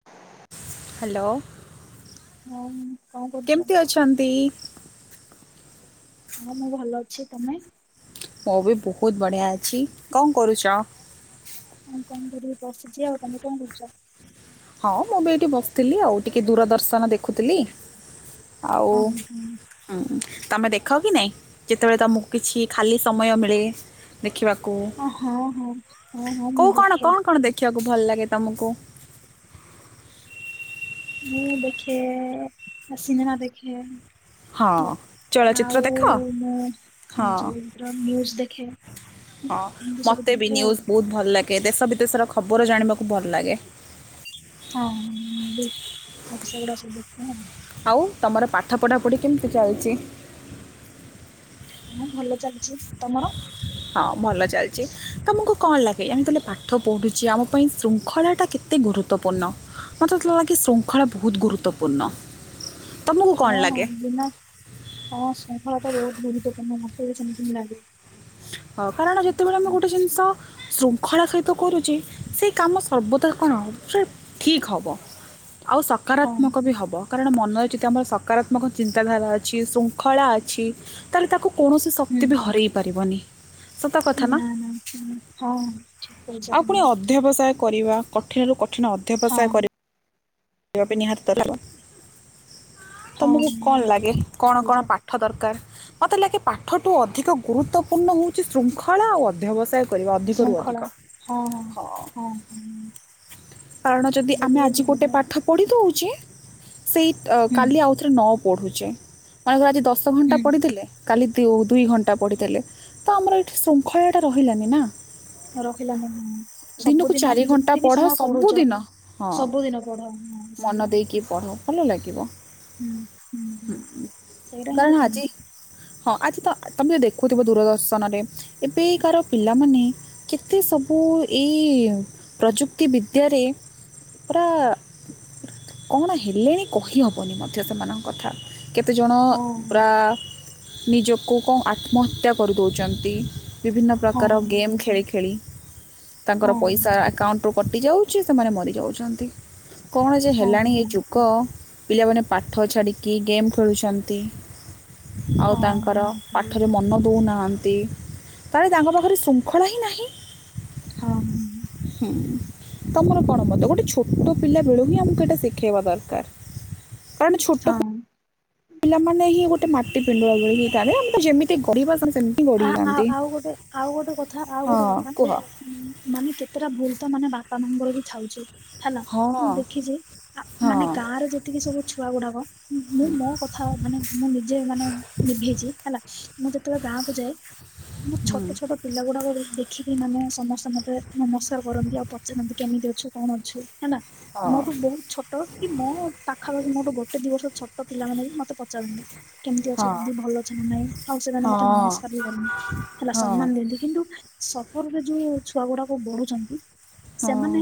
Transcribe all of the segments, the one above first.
[inaudible] Hello ହଁ କଣ କରୁଛ? କେମତି ଅଛନ୍ତି? ହଁ, ମୁଁ ଭଲ ଅଛି ତମେ? ମୁ ବି ବହୁତ ବଢ଼ିଆ ଅଛି କଣ କରୁଛ? ଆଉ କଣ କରିବି ବସିଛି, ଆଉ ତମେ କଣ କରୁଛ? ହଁ ମୁଁ ବି ଏଇଠି ବସିଥିଲି, ଆଉ ଟିକେ ଦୂରଦର୍ଶନ ଦେଖୁଥିଲି। ଆଉ ହଁ ହଁ ହଁ ତମେ ଦେଖ କି ନାଇଁ ଯେତେବେଳେ ତମକୁ କିଛି ଖାଲି ସମୟ ମିଳେ। ଦେଖିବାକୁ ହଁ ଅ ହଁ ହଁ ହଁ ହଁ ମୁଁ କୋଉ କଣ, ଦେଖେ କଣ, କଣ ଦେଖିବାକୁ ଭଲ ଲାଗେ ତମକୁ। ମୁଁ ଦେଖେ, ସିନେମା ଦେଖେ। ହଁ ହେଲା, ଚଳଚ୍ଚିତ୍ର ଆଉ ଦେଖ ମୁଁ ହଁ ହଁୁଜ [inaudible] ଦେଖେ ହଁ ଏମିତି ସବୁ ମତେ ବି ଦେଖେ ଆଉ ନିୁଜ୍ ବହୁତ ଭଲ ଲାଗେ, ଦେଶ ବିଦେଶର ଖବର ଜାଣିବାକୁ ଭଲ ଲାଗେ। ହଁ ସେଗୁଡା ସବୁ ଦେଖିବା ଆଉ [unintelligible] ଆଉ, ତମର ପାଠ ପଢ଼ାପଢ଼ି କେମିତି ଚାଲିଛି? ହଁ ଭଲ ଚାଲିଛି, ତମର? ହଁ ଭଲ ଚାଲିଛି, ତମକୁ କଣ ଲାଗେ ଏମିତିହେଲେ଼଼ ପାଠ ପଢ଼ୁଛି, ଆମ ପାଇଁ ଶୃଙ୍ଖଳାଟା କେତେ ଗୁରୁତ୍ୱପୂର୍ଣ୍ଣ। ମତେ ତଲାଗେ ଶୃଙ୍ଖଳା ବହୁତ ଗୁରୁତ୍ୱପୂର୍ଣ୍ଣ। ତୁମକୁ କ'ଣ ହଁ ହଁ ଲାଗେ ବିନା, ହଁ ଶୃଙ୍ଖଳାତ ବହୁତ ଗୁରୁତ୍ୱପୂର୍ଣ୍ଣ ମତେବି ସେମତି ଲାଗେ। ହଁ କାରଣ ଯେତେବେଳେ ଆମେ ଗୋଟେ ଜିନିଷ ଶୃଙ୍ଖଳା ସହିତ କରୁଛି ସେଇ କାମ ସର୍ବଦା କଣ ସେଫ୍। ଠିକ ହବ, ଆଉ ହଁ ସକାରାତ୍ମକ ବି ହବ କାରଣ ମନରେଯଦି ଆମର ସକ। ରାତ୍ମ ଆପଣଙ୍କ ଚିନ୍ତାଧାରା ଅଛି, ଶୃଙ୍ଖଳା ଅଛି ତାହେଲେ ତାକୁ କୌଣସି ଶକ୍ତି ବି ହରାଇ ପାରିବନି। ସତ ହୁଁ କଥା ନାଁ? ନା ନା ହଁ ଠିକ କହିଛ ଆଉ ହଁ। ପୁଣି ଅଧ୍ୟାବସାୟ କରିବା, କଠିନରୁୁ କଠିନ ହଁ ଅଧ୍ୟାବସାୟ କରିବା। ନିହା [unintelligible] ହଁ ତମକୁ ହଁ କଣ ଲାଗେ ସେଇଆ ଠିକ କଣ କହିଛ କଣ ପା ପାଠ ଦରକାର, ମତେ ଲାଗେ ପାଠୁ ଅଧିକ ଗୁରୁତ୍ୱପୂର୍ଣ୍ଣ ହଉଛି ଶୃଙ୍ଖଳା ଆଉ ଅଧ୍ୟବସାୟ। କରିବା ଅଧିକରୁ ଶୃଙ୍ଖଳା ଅଧିକ ହଁ ହଁ ହଁ, ହଁ କାରଣ ଯଦି ତାହେଲେ ଆମେ ବି ଆଜି ଗୋଟେ ମାନେ ପାଠ ପଢ଼ି ଦେଉଚେ ସେଇ ହୁଁ କାଲି ଆଉଥରେ ନ ପଢ଼ୁଚେ, ମନେକର ଆଜି ଦଶ ଘଣ୍ଟା ହୁଁ ପଢିଦେଲେ କାଲି ଦ୍ୟୁ ଦୁଇ ଘଣ୍ଟା ପଡ଼ିଥିଲେ, ତ ଆମର ଏଇଠି ଶୃଙ୍ଖଳାଟା ରହିଲାନି ନା? ରହିଲାନି, ହଁ ଦିନକୁ ସବୁଦିନ ଚାରି ଘଣ୍ଟା ଯେତିକି ପଢ଼ ସମୟ ପଢୁ ଯ ସବୁଦିନ ହଁ ସବୁଦିନ ପଢ, ହଁ ମନ ସେଇଆ। ଦେଇକି ପଢ଼ ଭଲ ଲାଗିବ ହଁ ହଁ ହୁଁ ସେଇଟା କାରଣ ହିଁତ ଆଜି କୂହନ୍ତି। ହଁ, ଆଜିତ ତମେ ଦେଖୁଥିବ ଦୂରଦର୍ଶନରେ, ଏବେକାର ପିଲାମାନେ କେତେ ସବୁ, ଏଇ ପ୍ରଯୁକ୍ତି ବିଦ୍ ଇତ୍ୟାରି ପୁରା କଣ ହେଲେଣି କହିହବନି ମଧ୍ୟ ସେମାନଙ୍କ କଥା। କେତେଜଣ, ହଁ ପୁରା ନିଜକୁ କଣ ଆତ୍ମହତ୍ୟା କରିଦଉଛନ୍ତି, ବିଭିନ୍ନ ହଁ ପ୍ରକାର ଗେମ୍ ଖେଳି ଖେଳି। ତାଙ୍କର ହଁ ହଁ ପଇସା ଆକାଉଣ୍ଟରୁ କଟିଯାଉଛି, ସେମାନେ ମରିଯାଉଛନ୍ତି, କଣ ଯେ ହଁ ହେଲାଣି ଏ ହଁ। ଯୁ ଙ୍କ, ପିଲାମାନେ ପାଠ ଛାଡ଼ିକି ଗେମ୍ ଖେଳୁଛନ୍ତି। ଆଉ ହଁ ତାଙ୍କର, ସେଇଆ ପାଠରେ ମନ ଦଉନାହାନ୍ତି। ତାରେ, ତାଙ୍କ ପାଖରେ ଶୃଙ୍ଖଳାହିଁ ନାହିଁ। ହଁ ମ୍ ହୁଁ ତମର କଣ ମତ ଗୋଟେ ଛୋଟ ପିଲା ବେଳୁ ହିଁ ଆମକୁ ଏଇଟା ଶିଖେଇବା ଦରକାର କଣ ହଁ ଛୋଟ ହଁ। ପିଲାମାନେେ ହିଁ ଗୋଟେ ମାଟି ପେଣ୍ଡୋଳ ଭଳୀ ହେଇଥିତି ଅମେ ତାକୁ ଯେମିତି ଗଡିବା ସିଏ ସେ ଆ ଆଉ ଆଉ ଗୋଟେ ଆଉ ଗୋଟେ କଥା ଆଉ ହଁ ଗୋଟେ କଥା କୁହ ମୁ ମାନେ କେତେଟା ଭୁଲ ତ ମାନେ ବାପା ମାଙ୍କର ବି ଥାାଉଛିେ ହେଲା ହଁ ମୁଁ ଦେଖିଛି ହଁ ମାନେ ଗାଁ ରେ ଯେତିକି ସବୁ ଛୁଆ ଗୁଡାକ ମୁଁ ମୋ କଥା ମାନେ ମୁଁ ନିଜେ ମାନେ ନିଭେଇଛି ହେଲା ମୁଁ ଯେତେବେଳେ ଗାଁ ଯେ ମୁଁ ହୁଁ, ଛୋଟ ଛୋଟ ପିଲା ଗୁଡାକ ଦେଖିକି ମାନେ ସମସ୍ତେ ମତେ ନମସ୍କାର କରନ୍ତି ଆଉ ପ ପଚାରତି କେମିତି ଅଛୁ କଣ ଅଛୁ ହେଲା ହଁ ମୋଠୁ ବହୁତ ଛୋଟ କି ମୋ ପାଖାପାଖି ମୋଠୁ ଗୋଟେ ଦି ବର୍ଷ ଛୋଟ ଛୋଟ ପିଲାମାନୋ ବି ମତେ ପଚାରନ୍ତି କେମିତି ହଁ ଅଛନ୍ତି ଦିଦି ଭଲ ଅଛନ୍ତି ନାଇଁ ଆଉ ସେମାନେ ମତେ ହଁ ନମସ୍କାର ହେଲା ସମ୍ମାନ ହଁ ଦିଅନ୍ତି କିନ୍ତୁ ସଫରରେ ଯୋଉ ଛୁଆ ଗୁଡାକ ବଢୁଛନ୍ତି ହଁ ସେମାନେ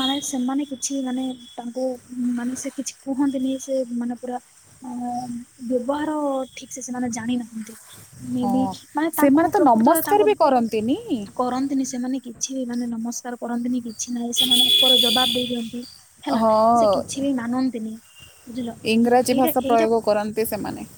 ମାନେ ସେମାନେ କିଛି ମାନେ ତାଙ୍କୁ ମାନେ ସେ କିଛି କୁହନ୍ତିନି ସେ ମାନେ ପୁରା ଅ ବ୍ୟବହାର ଠିକ ସେ ସେମାନେ ଜାଣିନାହାନ୍ତି ମେବି ହଁ ମାନେ ତାଙ୍କୁ ସେମାନେ ତ ପ୍ରକୃତରେ ନମସ୍କାର ତାଙ୍କୁ ବି କରନ୍ତିନି କରନ୍ତିନି ସେମାନେ କି କିଛି ମାନେ ନମସ୍କାର କରନ୍ତିନି କିଛି ନାହିଁ ସେମାନେ ଉପର ଜବାବ ଦେଇ ଦିଅନ୍ତି। ହେଲା ହଁ ସେ କିଛି ବି ମାନନ୍ତିନି। ବୁଝିଲ। ଇଂରାଜୀ ଏଇଟା ଭାଷା ଏଇଟା ପ୍ରୟୋଗ କରନ୍ତି ସେମାନେ।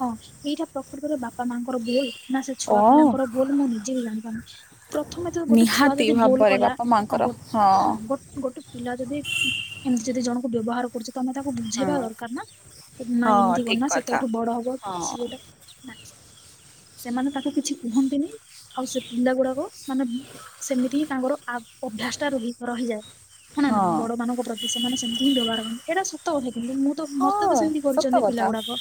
ହଁ ଏଇଟା ପ୍ରକୃତରେ ବାପା ମାଙ୍କର ଭୁଲ ନା ସେ ଓ ଛୁଆ ପିଲାଙ୍କର ଭଲ ମୁଁ ନିଜେ ବି ଜାଣିପି ପ୍ରଥମେ ତ ଗୋଟେ ଛୁଆ ନିହାତି ଯଦି ଭୋଲ ଭାବରେ କଲା ବାପା ମାଙ୍କର ହଁ ଗୋଟେ ପିଲା ଯଦି ଏମିତି ଯଦି ଜଣକୁ ବ୍ୟବହାର କରୁଛନ୍ତି ତମେ ତାକୁ ହଁ ବୁଝେଇବା ଦରକାର ନା ନା ହଁ ଏମିତି ଠିକ କରନା କଥା। ସେତେଠୁ ବଡ ହବ ହଁ କିଛି ଗୋଟେ [unintelligible] ସେମାନେ ତାଙ୍କୁ କିଛି କୁହନ୍ତିନି ଆଉ ସେ ପିଲା ଗୁଡାକ ମାନେ ସେମିତି ହିଁ ତାଙ୍କର ଆ ଅଭ୍ୟାସ ଟା ରହି ରହିଯାଏ ହଁ ନା ନାଇଁ ବଡ ମାନଙ୍କ ପ୍ରତି ସେମାନେ ସେମିତି ହିଁ ବ୍ୟବହାର ହୁ ଏଇଟା ସତ କଥା କିନ୍ତୁ ମୁଁ ତ ମତେ ହଁ ତ ସେମିତି ସତ କରିଛନ୍ତି ପିଲା କଥା। ଗୁଡାକ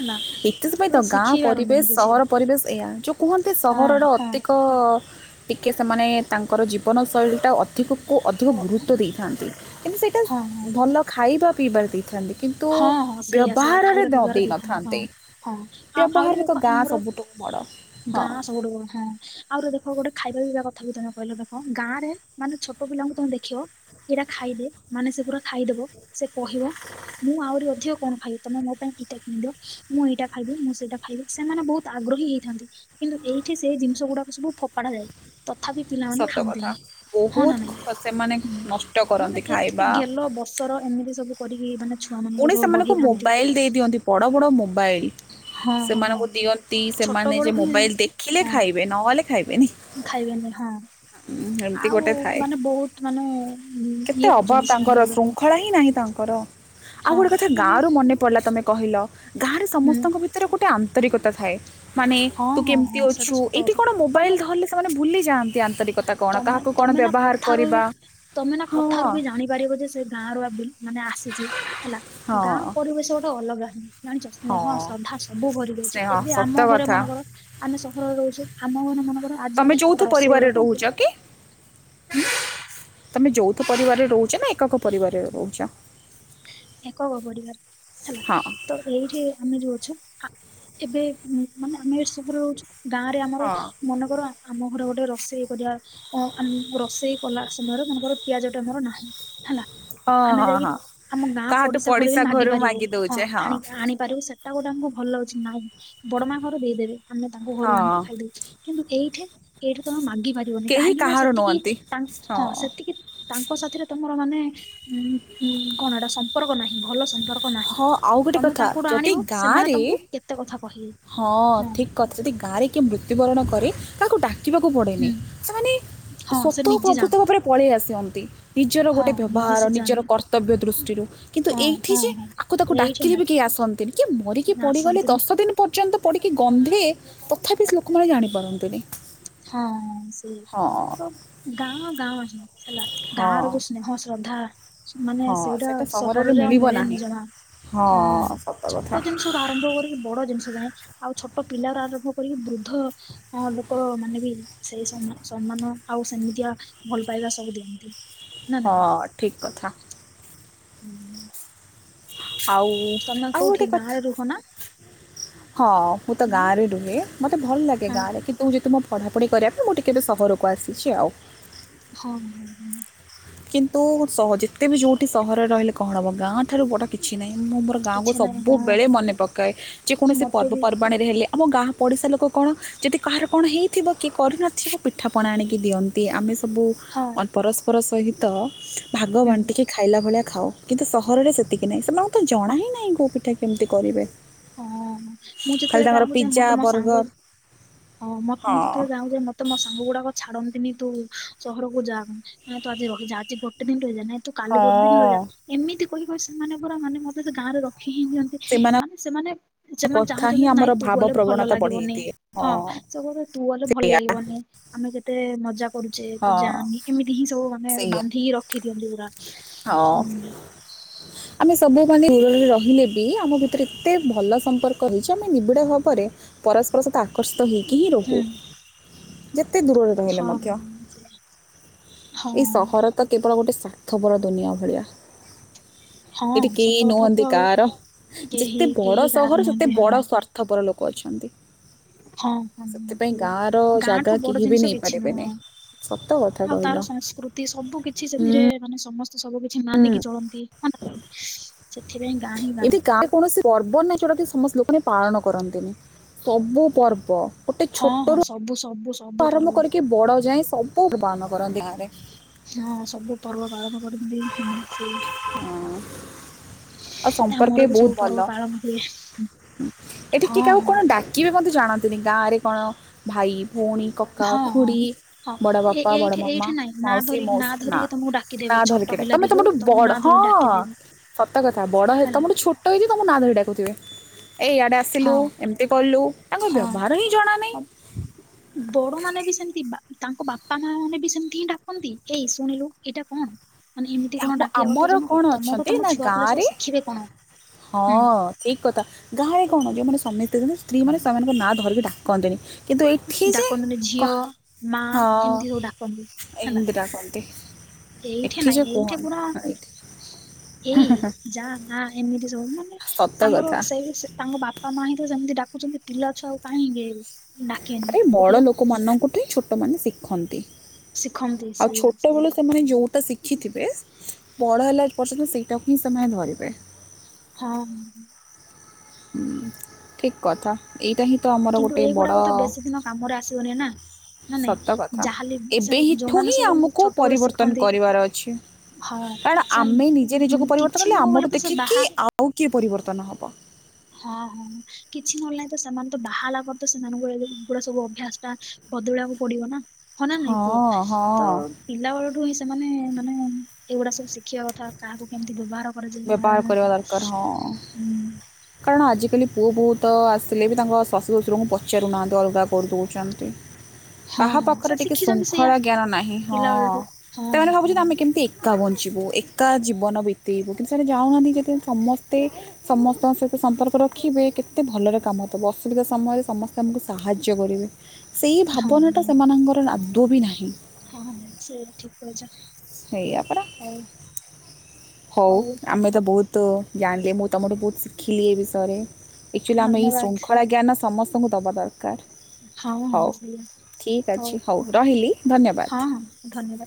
ହେଲା ଏଥିପାଇଁ ତ ଗାଁ ଶିଖି ପରିବେଶ ପାରନ୍ତିନି କିଛି ସହର ପରିବେଶ ଏହା ଚୁପ୍ କୁହନ୍ତି ହଁ ସହରର ହଁ। ଅଧିକ ଟିକେ ସେମାନେ ତାଙ୍କର ଜୀବନଶୈଳୀଟା ଅଧିକ କୁ ଅଧିକ ହଁ ଗୁରୁତ୍ୱ ଦେଇଥାନ୍ତି କିନ୍ତୁ ସେଇଟା ହଁ ଭଲ ଖାଇବା ପିଇବା ଦେଇଥାନ୍ତି। କିନ୍ତୁ ହଁ ହଁ ସେଇଆ ସେଇଆ ବ୍ୟବହାରରେ ଖାଇବା ନ ପିଇବାରେ ଦେଇଥାନ୍ତି ହଁ। ଦେଇନଥାନ୍ତି। ହଁ ଆଉ ଆଉ ଆହୁରି ବ୍ୟବହାରରେ ତ ଦେଖ ଗାଁ ଆମର ସବୁଠୁ ବଡ଼ ହଁ ଗାଁ ସବୁଠୁ ଭାଲ ହଁ। ଆଉର ଦେଖ ଗୋଟେ ଖାଇବା ପିଇବା କଥା ବି ତମେ କହିଲ ଦେଖ ଗାଁରେ ମାନେ ଛୋଟ ପିଲାଙ୍କୁ ତମେ ଦେଖିବ ଏଇଟା ଖାଇଦେ ମାନେ ସେ ପୁରା ଖାଇଦବ ସେ କହିବ ମୁଁ ଆହୁରି ଅଧିକ କଣ ଖାଇବ ତମେ ମୋ ପାଇଁ ଏଇଟା କିଣିଦିବ ମୁଁ ଏଇଟା ଖାଇବି ମୁଁ ସେଇଟା। ଖାଇ ସେମାନେ ବହୁତ ଆଗ୍ରହୀ ହେଇଥାନ୍ତି କିନ୍ତୁ ଏଇଠି ସେଇ ଜିନିଷ ଗୁଡାକୁ ସବୁ ଫୋପାଡା ଯାଏ। ତଥାପି ପିଲାମାନେ ସତ କଥା। ଖାଆନ୍ତିନି ହଁ ବହୁତ ନା ନାଇଁ ଖ- ସେମାନେ ନଷ୍ଟ ହୁଁ ମାନେ କରନ୍ତି ଏତିକି ଖାଇବା। ଗେଲ ବ ବସର ଏମିତି ସବୁ କରିକି ମାନ ପୁଣି ସେମାନଙ୍କୁ ମୋବାଇଲ ଦେଇ ଦିଅନ୍ତି ବଡ ବଡ ମୋବାଇଲ ହଁ ହଁ ହଁ ସେମାନଙ୍କୁ ଦିଅନ୍ତି ଛୋଟ ସେମାନେ ବେଳୁ ଯେ ହିଁ ମୋବାଇଲ ଦେଖିଲେ ହଁ ଖାଇବେ ନହେଲେ ଖାଇବେନି ହଁ। ହଁ ଏମିତି ଆଉ ଗୋଟେ ଥାଏ ମାନେ ବହୁତ ମାନେ କେତେ ଇଏ ଅଭାବ ଖୋଜନ୍ତି ସେମାନେ ତାଙ୍କର ଗୋଟେ ସୃ ଖଳା ହିଁ ନାହିଁ ତାଙ୍କର ଆଉ ହଁ ଗୋଟେ କଥା ମାନେ ଗାଁରୁ ମନେ ପଡ଼ିଲା ତୁମେ କହିଲ ଗାଁରେ ହୁଁ ସମସ୍ତଙ୍କ ଭିତରେ ଗୋଟେ ଆନ୍ତରିକତା ଥାଏ ମାନେ ହଁ ତୁ ହଁ କେମିତି ହଁ ସେଇଟା ଅଛୁ ସତ ଏଇଠି କଥା କଣ ମୋବାଇଲ ତମେ ଧଲେ ସେମାନେ ଭୁଲି ଯାଆନ୍ତି ଆନ୍ତରିକତା କଣ ତମେ କାହାକୁ କଣ ତମେ ନା ବ୍ୟବହାର କଥାରୁ କରିବା ହଁ ପାର ଯେ ସେ ଗାଁ ର ମାନେ ଆସିଛି ହେଲା ହଁ ଗାଁ ପରିବେଶ ଗୋଟେ ଅଲଗା ହିଁ ଜାଣିଛ ସ୍ନେହ ହଁ ଶ୍ରଦ୍ଧା ସବୁ ଭରିଗାଉଛି ସ୍ନେହ ଏବେ ସତ ଆମ ଘରେ କଥା ମନକର ଆମେ ସହରରେ ରହୁଛୁ ଆମ ଘର ମାନଙ୍କର ତୁମେ ଯୌଥ ପରିବାରରେ ରହୁଛ କି? ହୁଁ? ତମେ ଯୌଥ ପରିବାରରେ ରହୁଛ ନା ଏକକ ପରିବାରରେ ରହୁଛ? ଏକବ ପରିବାର ହେଲା ହଁ ତ ଏଇଠି ଆମେ ଯୋଉଛୁ ଏବେ ମାନେ ଆମେ ଏ ସହର ରହୁଛୁ। ଗାଁ ରେ ଆମର ହଁ ମନେକର ଆମ ଘର ଗୋଟେ ରୋଷେଇ କରିବା। [unintelligible] ରୋଷେଇ କଲା ସମୟରେ ମଙ୍କର ପିଆଜ ଟା ଆମର ନାହିଁ ହେଲା ହଁ ଆମେ ହଁ ଯାଇକି ହଁ ଆମ ଗାଁ ପଡିଶା ଘରେ ବି ମାଗି ପାରିବ ହଁ ଆ ଆଣି ପାରିବୁ ସେଟା ଗୋଟେଙ୍କୁ ଭଲ ଅଛି ନାଇଁ ବଡମା ଘର ଦେଇଦେବେ ଆମେ ତାଙ୍କୁ ଘରୁ ଆଣିକି ହଁ ଖାଇଦଉଛ। କିନ୍ତୁ ଏଇଠି ଏଇଠି ତମେ ମାଗି ପାରିବନି କେହି କାହିଁକି ନା କାହାର ନୁହନ୍ତି ସେତିକିଙ୍କ ହଁ ସେତିକି ତାଙ୍କ ସାଥିରେ ତମର ମାନେ ଉ କଣଟା ସମ୍ପର୍କ ନାହିଁ ଭଲ ସମ୍ପର୍କ ନାହିଁ। ହଁ ଆଉ ଗୋଟେ ତମେ କଥା ତାଙ୍କଠୁ ଯଦି ଆଣିବ ସେମାନେ ଗାଁରେ ତମକୁ କେତେ କଥା କହିବେ ହଁ ଠିକ କଥା। ଯଦି ଗାଁରେ କିଏ ମୃତ୍ୟୁବରଣ କରେ ତାକୁ ଡାକିବାକୁ ପଡେନି ହୁଁ ସେମାନେ ହଁ ସେ ସତ ନିଜେ ପ୍ରଭୃତ ଯାଆନ୍ତି ଭାବରେ ପଳେଇ ଆସନ୍ତି ନିଜର ହଁ ଗୋଟେ ନିଜେ ବ୍ୟବହାର ସେ ନିଜର ଯାଆନ୍ତି କର୍ତ୍ତବ୍ୟ ଦୃଷ୍ଟିରୁ କିନ୍ତୁ ହଁ ଏଇଠି ହଁ ଯେ ହଁ ଆକୁ ତାକୁ ଏଇଠି ଡାକିଲେ ନା ବି କେହି ଆସନ୍ତିନି କି ମରିକି ପଡିଗଲେ ଆସନ୍ତିନି ଦଶ ଦିନ ପର୍ଯ୍ୟନ୍ତ ପଡ଼ିକି ଗନ୍ଧେ ତଥାପି ସେ ଲୋକମାନେ ଜାଣିପାରନ୍ତିନି। ହଁ ସେ ହଁ ତ ଗାଁ ଗାଁ ହି ହେଲା ଗାଁର ହଁ ଯଉ ସ୍ନେହ ଶ୍ରଦ୍ଧା। ମାନେ ହଁ ସେଇଟା ସହରରେ ଆଉ ମିଳିବ ମିଳେନି ନାହିଁ ଜମା ହଁ ସତ କଥା ଛୋଟ ଜିନିଷ ରୁ ଆରମ୍ଭ କରିକି ବଡ ଜିନିଷ ଯାଏ ଆଉ ଛୋଟ ପିଲା ର ଆରମ୍ଭ କରିକି ବୃଦ୍ଧ ଲୋକ ମାନେ ବି ସେଇ ସମ୍ମାନ ଆଉ ସେମିତିଆ ଭଲ ପାଇବା ସବୁ ଦିଅନ୍ତି। ନା ହଁ ଠିକ କଥା। ହୁଁ। ଆଉ ତମେ ଆଉ ଗୋଟେ କୋଉଠି କଥା ଗାଁରେ ରୁହ ନା? ହଁ ମୁଁ ତ ଗାଁ ହଁ ରେ ରୁହେ ମତେ ଭଲ ଲାଗେ ଗାଁ ରେ କି ନ୍ତୁ ଯେହେତୁ ମୋ ପ଼ଢାପଢ଼ି କରିବା କୁ ମୁଁ ଟିକେ ଏବେ ସହରକୁ ଆସିଛି ଆଉ। ହଁ ହଁ ହଁ। କିନ୍ତୁ ସହ ଯେତେ ବି ଯଉଠି ସହରରେ ରହିଲେ କଣ ହେବ ଗାଁଠାରୁ ବଡ଼ କିଛି ନାହିଁ ମୁଁ ମର ଗାଁକୁୁ କିଛି ନାହିଁ ହଁ ସବୁବେଳେ ମନେ ପକାଏ ଯେ କୌଣସି ମତେ ପର୍ବ ପର୍ ବି ପର୍ବାଣୀରେ ହେଲେ ଆମ ଗାଁ ପଡ଼ିଶା ଲୋକ କଣ ଯଦି କାହାର କଣ ହେଇଥିବ କି କରିନଥିବ ପିଠାପଣା ଆଣିକି ଦିଅନ୍ତି ଆମେ ସବୁ ହଁ। ଅ- ପରସ୍ପର ସହିତ ଭାଗ ହୁଁ ବାଣ୍ଟିକି ଖାଇଲା ଭଳିଆ ଖାଅ କିନ୍ତୁ ସହରରେ ସେତିକି ନାହିଁ ସେମାନଙ୍କୁ ତ ଜଣା ହିଁ ନାହିଁ କୋଉ ପିଠା କେମିତି କରିବେ। ହଁ। ମୁଁ ଖାଲି ଯେତେବେଳେ ତାଙ୍କର ଗାଁକୁ ଯାଏ ପିଜ୍ଜା, ମତେ ମୋ ବର୍ଗର। ସାଙ୍ଗ ହଁ ମତ ମୁଁ ହଁ ଯେତେବେଳେ ଯାଉଜି ମ ତ ମୋ ସାଙ୍ଗ ଗୁଡାକ ଛାଡନ୍ତିନି ତୁ ସହରକୁ ଯା ନାଇଁ ତୁ ଆଜି ରହିଯା ଆଜି ଗୁ ଗୋଟେ ଦିନ ରହିଯା ନାଇଁ ତୁ କାଲି ଗୋଟେ ଦିନ ହଁ ରହିଯା ଏମିତି କହି କହି ସେମାନେ ପୁରା ମାନେ ମତେ ସେ ଗାଁରେ ରଖୀଇ ହିଁ ଦିଅନ୍ତି ସେମାନଙ୍କ ମାନେ ସେମାନେ ସେମାନେ କଥା ହିଁ ଚାହୁଁଛନ୍ତି ଆମର ନାଇଁ ତୁ ଭାବ ଗଲେ ଭଲ ପ୍ରବଣତା ବଢ଼େଇ ଲାଗିବନି। ଦିଏ ହଁ ସେବୁ କହିବେ ତୁ ଗଲେ ଭଲ ସେଇଆ ଲାଗିବନି ଆମେ କେତେ ମଜା କରୁଛେ ତୁ ହଁ ଯାନି ଏମିତି ହିଁ ସବୁ ମାନେ ସେଇଆ ବାନ୍ଧିକି ରଖିଦିଅନ୍ତି ପୁରା। ହଁ [inaudible] ଆମେ ସବୁମାନେ ଦୂରରେ ରହିଲେ ବି ଆମ ଭିତରେ ଏତେ ଭଲ ସମ୍ପର୍କ ରହିଛି ଆମେ ନିବିଡ଼ ଭାବରେ ପରସ୍ପର ସହିତ ଆକର୍ଷିତ ହେଇକି ହିଁ ରହୁ ହୁଁ ଯେତେ ଦୂରରେ ରହିଲେ ହଁ ମଧ୍ୟ। ହଁ ଏଇ ସହର ତ କେବଳ ଗୋଟେ ସାର୍ଥ ପର ଦୁନିଆ ଭଳିଆ। ହଁ ଏଠି ସତ କେହି କଥା ନୁହନ୍ତି ତ ଆଉ କାହାର କେହି ଯେତେ ବଡ କେହି କାହାର ସହର ସେତେ ନୁହନ୍ତି ହଁ। ବଡ ସ୍ବାର୍ଥ ଥପର ଲୋକ ଅଛନ୍ତି। ହଁ ହଁ ହଁ ସେଥିପାଇଁ ସେ ଗାଁର ଗାଁ ଜାଗା ଠୁ ବଡ କେହି ବି ଜିନିଷ କିଛି ନେଇପାରିବେନି ନୁହଁ। ସତ କଥା ଆଉ କହିଲ ତାର ସଂସ୍କୃତି ସବୁ କିଛି ସେଥିରେ ମାନେ ସମସ୍ତେ ସବୁ କିଛି ମାନିକି ଚଳନ୍ତି ସେଥିପାଇଁ ଗାଁ ହିଁ ଗାଁ। କୌଣସି ପର୍ବ ନାହି ଯଉଟାକି ସମସ୍ତ ଲୋକମାନେ ପାଳନ କରନ୍ତିନି ସବୁ ପର୍ବ ଗୋଟେ ହଁ ହଁ ଛୋଟରୁ ସବୁ ସବୁ ସବୁ ଆରମ୍ଭ ପର୍ବ କରିକି ବଡ ଯାଏଁ ସବୁ ପାଳନ କରନ୍ତି ଗାଁରେ। ହଁ ସବୁ ପର୍ବ ପାଳନ କରନ୍ତି ହୁଁ ସେଇ ଆଉ ସମ୍ପର୍କ ଆମର ବି ବହୁତ ସବୁ ଭଲ। ପର୍ବ ପାଳନ ହୁଏ ଏଠି ହଁ ହଁ। କିଏ ମୋତେ ଜାଣନ୍ତିନି ଗାଁରେ କଣ ଭାଇ ଭଉଣୀ କ ହଁ ହଁ। ଖୁଡି ହଁ ବଡ଼ ଏ ପାପା, ବଡ ଏଇଠି ମମା, ଏଇଠି ନାଇଁ ନା ମାଉସୀ, ଧରି ମାଉସୀ ନା ଧରିକି ତମକୁ ନା ଡାକିଦେବେ ଛୋଟ ଧର ପିଲା ବି ତମେ ହଉ ତମଠୁ ତମକୁ ବଡ ନା ହଁ ଧରି ଡାକିଦେବେ ସତ କଥା ବଡ ହେ ହେଲା ତମର ଛୋଟ ହେଇକି ତୁମକୁ ନା ଧରି ଡାକୁଥିବେ ଏଇ ଇଆଡ଼େ ଆସିଲୁ ହଁ ଏମିତି କଲୁ। ତାଙ୍କ ବ୍ୟବହାର ହିଁ ଜଣା ନାହିଁ। ହଁ। ବଡ ମାନେ ବି ସେମିତି ତାଙ୍କ ବାପା ମା ମାନେ ବି ସେମତି ହିଁ ଡାକନ୍ତି ଏଇ ଶୁଣିଲୁ। ଏଇଟା କଣ ମାନେ ଏମିତି କଣ ଆମ ଡାକିିବା ଆମର କଥା ଜଣକୁ କଣ ତମ ଠୁ ଅଛନ୍ତି ତମ ନା ଛୁଆ ପିଲା ସବୁ ଗାଁରେ ଶିଖିବେ କଣ। ହୁଁ ହଁ। ଠିକ କଥା ଗାଁରେ କଣ ଯେଉଁମାନେ ସ୍ୱାମୀ ସ୍ତ୍ରୀ ଥାନ୍ତି ସ୍ତ୍ରୀ ମାନ ସେମାନଙ୍କ ନାଁ ଧରିକି ଡାକନ୍ତିି କିନ୍ତୁ ଏଇ ଡାକନ୍ତିନି ଝିଅ ମା ହଁ ଏମିତି ସବୁ ଡାକନ୍ତି ହେଲା। ଏମିତି ଡାକନ୍ତି ଏଇଠି ଏଠି ନାଇଁ ଯେ ଏଇଠ ଏଇଠି କୁହନି ପୁରା ହଁ, ଏଠି ଏଇ ଯା ନା ଏମିତି ସବୁ ମାନେ ସତ ତାଙ୍କର କଥା ସେଇ ତାଙ୍କ ବାପା ମା ହିଁ ତ ସେମିତି ଡାକୁଛନ୍ତି ପିଲା ଛୁଆ ଆଉ କାହିଁ ହେବିନି। ଆରେ ବଡ଼ ଲୋକମାନଙ୍କଠୁ ହିଁ ଛୋଟମାନେ ଶିଖନ୍ତି। ଶିଖନ୍ତି। ଆଉ ସେଇଆ ସେଇଆ। ଛୋଟବେଳୁ ସେମାନେ ଯୋଉଟା ଶି ଶଖିଥିବେ ବଡ଼ ହେଲା ପର୍ଯ୍ୟନ୍ତ ସେଇଟାକୁ ହିଁ ସେମାନେ ଧରିବେ। ହଁ। ହ ଠିକ କଥା ଏଇଟା ହିଁ ତ ଆମର କିନ୍ତୁ ଗୋଟେ ଏଇଗୁଡାକ ବଡ ତ ବେଶୀ ଦିନ କାମରେ ଆସିବନି ନା ନା ନାଇଁ ସତ କଥା ଯାହାଲେ ଏବେଠୁ ଯୋଉମାନେ ହିଁ ସବୁ ଏମତି ଆମକୁ ଛୋଟ ବେଳୁ ପରିବର୍ତ୍ତନ ଶିଖନ୍ତି କରିବାର ଅଛି। ହଁ କାରଣ ସେମାନେ ଆମେ ନିଜେ ହୁଁ ନିଜକୁ ପରିବର୍ତ୍ତନ କିଛି ହେଲେ ନୁହଁ ବୋଲେ ଆମଠୁ ତ ସେ ଦେଖିକି ବାହା ଆଉ କିଏ ପରିବର୍ତ୍ତନ ହବ। ହଁ ହଁ କିଛି ନହେଲେ ନାଇଁ ତ ସେମାନେ ତ ବାହାରିଲା ପରେ ତ ସେମାନଙ୍କୁ ଗୁଡା ସବୁ ଅଭ୍ୟାସ ଟା ବଦଳିବାକୁ ପଡିବ ନା। ହନା ନା ନାଇଁ କୁହ ହଁ ହଁ ତ? ପିଲା ବେଳଠୁ ହିଁ ସେମାନେ ମାନେ ଏଇଗୁଡା ସବୁ ଶିଖିବା କଥା କାହାକୁ କେମିତି ବ୍ୟବହାର କରାଯାଏ କଣ ବ୍ୟବହାର କରିବା ଦରକାର ହଁ। ହୁଁ। କାରଣ ଆଜିକାଲି ପୁଅ ବହୁ ତ ଆସିଲେ ବି ତାଙ୍କ ଶାଶୁ ଶ୍ୱଶୁରଙ୍କୁ ପଚାରୁନାହାନ୍ତି ଅଲଗା କରି ଦେଉଛନ୍ତି। ହଁ କାହା ହଁ ସେ ପାଖରେ ଟିକେ ଶିଖିଛନ୍ତି ସେଇଆ ଶୃଙ୍ଖଳା ଜ୍ଞାନ ନାହିଁ ହଁ ପିଲା ବେଳଠୁ ହଁ ସେମାନେ ଭାବୁଛନ୍ତି ହଁ ଆମେ କେମିତି ଏକା ବଞ୍ଚିବୁ ଏକା ଜୀବନ ବିତେଇବୁ କିନ୍ତୁ ସେମାନେ ଜାଣୁନାହାନ୍ତି ଯଦି ସମସ୍ତେ ସମସ୍ତେ ଆ ସହିତ ସମ୍ପର୍କ ରଖିବେ କେତେ ଭଲରେ କାମ ଦେବ ଅସୁବିଧା ସମୟରେ ସମସ୍ତେ ଆମକୁ ସାହାଯ୍ୟ କରିବେ। ସେଇ ହଁ ଭାବନାଟା ସେମାନଙ୍କର ଆଦୌ ବି ନାହିଁ। ହଁ ସେୟା ଠିକ କହିଛ। ସେୟା ପରା ହଉ ହଉ ଆମେ ତ ବହୁତ ତ ଜାଣିଲେ ମୁଁ ତମଠୁ ବହୁତ ଶିଖିଲି ଏ ବିଷୟରେ ଆକଚୁଆଲି ଆମେ ଏହିଇ ଧନ୍ୟବାଦ ଶୃଙ୍ଖଳା ଜ୍ଞାନ ସମସ୍ତଙ୍କୁ ଦେବା ଦରକାର। ହଁ ହଁ ହଉ ସେଇଆ ଠିକ୍ ଅଛି ହଉ ରହିଲି ହଁ ଧନ୍ୟବାଦ। ହଁ ଧନ୍ୟବାଦ